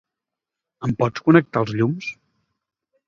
Em pots connectar els llums?